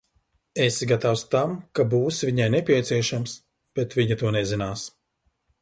Esi gatavs tam, ka būsi viņai nepieciešams, bet viņa to nezinās.